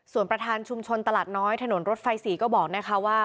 ส่วนประธานชุมชนตลาดน้อยถนนรถไฟ๔ก็บอกนะคะว่า